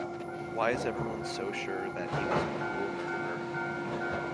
Why is everyone so sure that he was a cruel murderer?